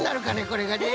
これがね。